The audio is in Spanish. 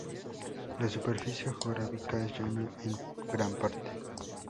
La superficie geográfica es llana en gran parte.